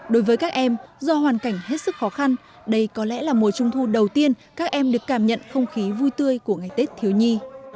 đối với các em do hoàn cảnh hết sức khó khăn đây có lẽ là mùa trung thu đầu tiên các em được cảm nhận không khí vui tươi của ngày tết thiếu nhi